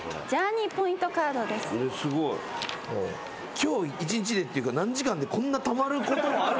今日１日でっていうか何時間でこんなたまることある？